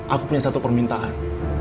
aku punya satu permintaan